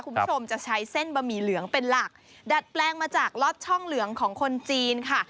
คุณผู้ชมจะใช้เส้นบะหมี่เหลืองเป็นหลักดัดแปลงมาจากล็อตช่องเหลืองของคนจีนค่ะ